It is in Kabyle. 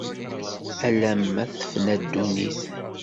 Ala ma tefna ddunit.